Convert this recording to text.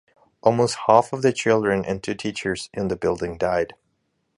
Almost half of the children and two teachers in the building died.